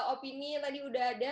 opini tadi udah ada